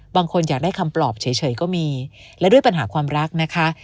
บางคนอยากได้คำปลอบเฉยก็มีและด้วยปัญหาความรักนะคะ